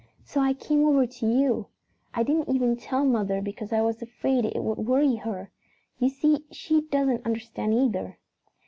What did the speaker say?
So I came over to you. I didn't even tell mother because I was afraid it would worry her. You see she doesn't understand either."